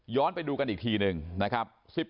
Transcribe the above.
ไปดูกันอีกทีหนึ่งนะครับ